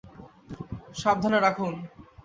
সাবধানে রাখুন।